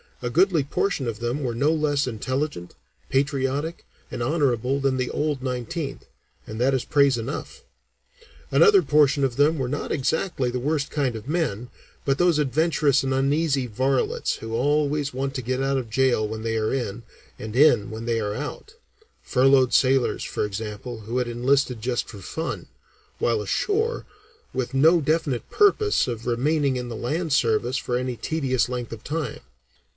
"A goodly portion of them were no less intelligent, patriotic, and honorable than the 'old' Nineteenth and that is praise enough. Another portion of them were not exactly the worst kind of men, but those adventurous and uneasy varlets who always want to get out of jail when they are in, and in when they are out; furloughed sailors, for example, who had enlisted just for fun, while ashore, with no definite purpose of remaining in the land service for any tedious length of time.